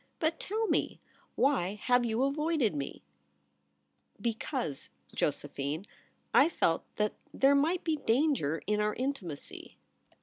But tell me, why have you avoided me ?'* Because, Josephine, I felt that there might be danger in our intimacy.'